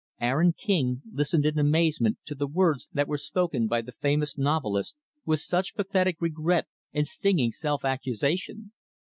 Aaron King listened in amazement to the words that were spoken by the famous novelist with such pathetic regret and stinging self accusation.